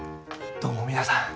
どうも皆さん